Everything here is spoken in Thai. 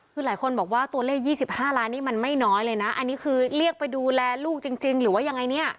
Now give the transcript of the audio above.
คือหลายคนบอกว่าตัวเลข๒๕ล้านนี่มันไม่น้อยเลยนะอันนี้คือเรียกไปดูแลลูกจริงหรือว่ายังไงเนี่ย